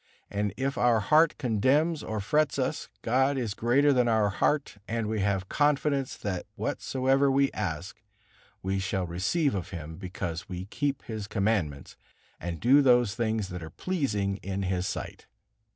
And if our heart condemns or frets us, God is greater than our heart, and we have confidence, that whatsoever we ask, we shall receive of Him, because we keep His Commandments, and do those things that are pleasing in His sight."